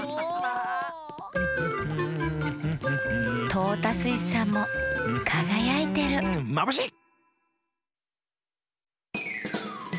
トータスイスさんもかがやいてるまぶしい！